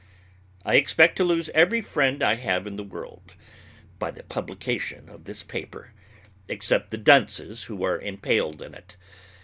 I expect to lose every friend I have in the world by the publication of this paper except the dunces who are impaled in it.